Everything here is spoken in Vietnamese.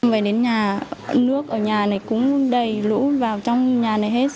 về đến nhà nước ở nhà này cũng đầy lũ vào trong nhà này hết